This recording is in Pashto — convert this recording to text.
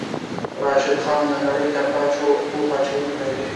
راشد خان د نړۍ تکړه توپ اچوونکی دی.